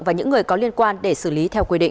và những người có liên quan để xử lý theo quy định